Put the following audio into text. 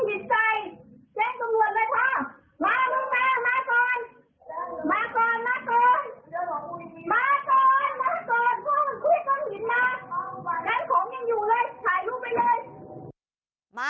มาก่อนมาก่อนพ่อมันคุยก้อนหินมา